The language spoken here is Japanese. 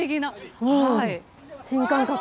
新感覚。